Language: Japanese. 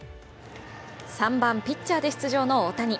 ３番・ピッチャーで出場の大谷。